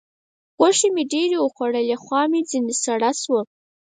غوښې مې ډېرې وخوړلې؛ خوا مې ځينې سړه سوه.